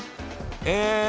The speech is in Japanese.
え